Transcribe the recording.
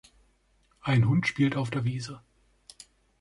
Ein Hund spielt auf der Wiese